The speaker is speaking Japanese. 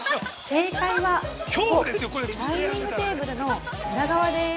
◆正解はダイニングテーブルの裏側です。